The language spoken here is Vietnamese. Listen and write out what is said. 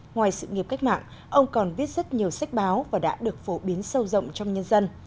ngoài sự nghiệp cách mạng ông còn viết rất nhiều sách báo và đã được phổ biến sâu rộng trong nhân dân